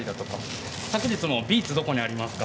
昨日もビーツどこにありますか？